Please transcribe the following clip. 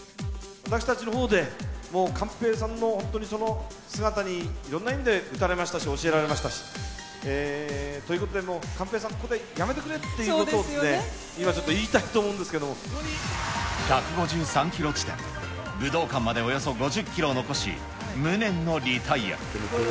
私たちのほうでもう寛平さんの、本当にその姿に、いろんな意味で打たれましたし、教えられましたし、ということでもう、寛平さん、ここでやめてくれっていうことをですね、今ちょっと言１５３キロ地点、武道館までおよそ５０キロを残し、無念のリタイア。